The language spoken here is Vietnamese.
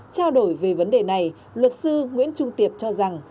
trao đổi về vấn đề này luật sư nguyễn trung tiệp cho rằng